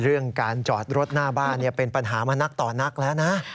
เรื่องการจอดรถหน้าบ้านเป็นปัญหามานักต่อนักแล้วนะ